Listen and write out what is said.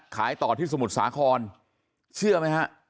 ขายต่อที่สมุทรสาครเชื่อไหมฮะ